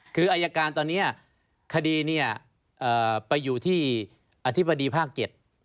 คืออายการตอนนี้คดีเนี่ยไปอยู่ที่อธิบดีภาค๗